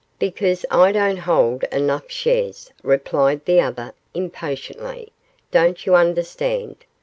'Because I don't hold enough shares,' replied the other, impatiently; 'don't you understand?